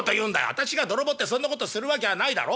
私が泥棒ってそんなことするわきゃあないだろ？